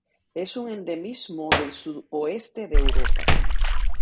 Es un endemismo del sudoeste de Europa.